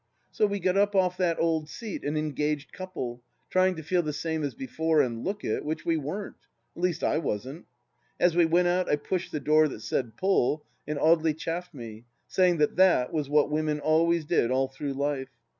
So we got up off that old seat an engaged couple, trying to feel the same as before and look it, which we weren't. At least I wasn't. As we went out I pushed the door that said "Pull!" and Audely chaffed me, saying that that was what women always did all through life.